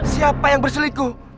siapa yang berselingkuh